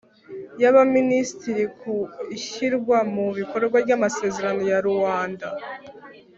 y'abaminisitiri ku ishyirwa mu bikorwa ry'amasezerano ya luanda